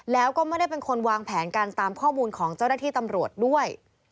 แล้วก็ไม่ได้เป็นคนวางแผนกันตามข้อมูลของเจ้าหน้าที่ตำรวจด้วย